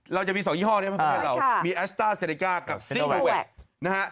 เราจะมี๒ยี่ห้อมีแอสต้าเซเนก้ากับซิลลูแวค